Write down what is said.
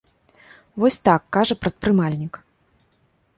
Вось так кажа прадпрымальнік.